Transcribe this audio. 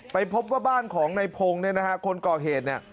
ไปพบว่าบ้านของในพงศ์นะครับคนก่อเหตุ